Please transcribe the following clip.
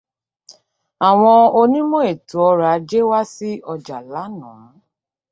Àwọn onímọ̀ ètò ọrọ̀ ajé wá sí ọjà lánàá.